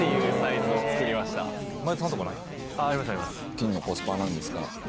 金のコスパは何ですか？